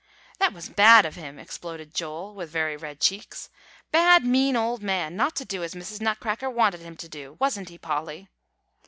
'" "That was bad of him," exploded Joel with very red cheeks; "bad, mean old man not to do as Mrs. Nutcracker wanted him to do. Wasn't he, Polly?"